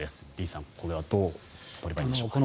李さん、これはどう取ればいいんでしょうか？